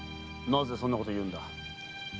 なぜそんなことを言うんだ？